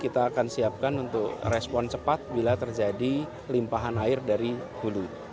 kita akan siapkan untuk respon cepat bila terjadi limpahan air dari hulu